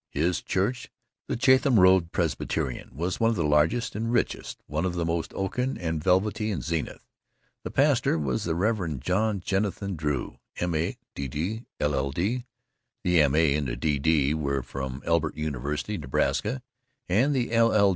His church, the Chatham Road Presbyterian, was one of the largest and richest, one of the most oaken and velvety, in Zenith. The pastor was the Reverend John Jennison Drew, M.A., D.D., LL.D. (The M.A. and the D.D. were from Elbert University, Nebraska, the LL.